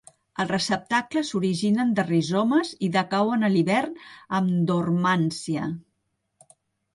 Els receptacles s'originen de rizomes i decauen a l'hivern amb dormància.